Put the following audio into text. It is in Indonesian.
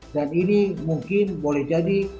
dan ini mungkin boleh jadi